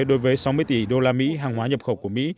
đối với sáu mươi tỷ đô la mỹ hàng hóa nhập khẩu của mỹ